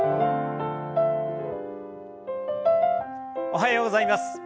おはようございます。